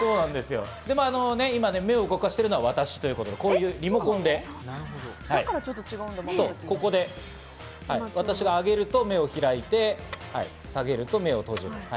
今、目を動かしてるのが私ということで、こういうリモコンで私が上げると目を開いて、下げると目を閉じる。